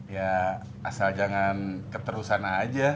ya asal jangan keterusan aja